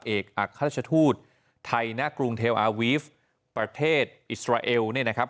เอกอัครราชทูตไทยณกรุงเทลอาวีฟประเทศอิสราเอลเนี่ยนะครับ